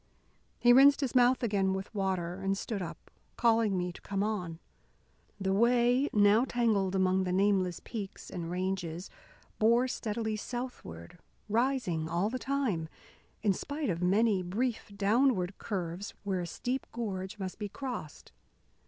He rinsed his mouth again with water, and stood up, calling me to come on. The way, now tangled among the nameless peaks and ranges, bore steadily southward, rising all the time, in spite of many brief downward curves where a steep gorge must be crossed.